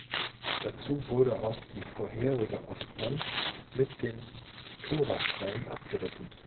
Dazu wurde auch die vorherige Ostwand mit dem Toraschrein abgerissen.